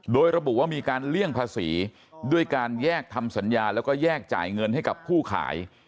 โดยระบุว่ามีการเลี่ยงภาษีด้วยการแยกทำสัญญาแล้วก็แยกจ่ายเงินให้กับผู้ขาย